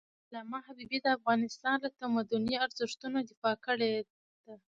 علامه حبيبي د افغانستان له تمدني ارزښتونو دفاع کړی ده.